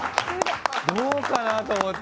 どうかなと思って。